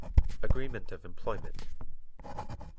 Agreement of Employment 1.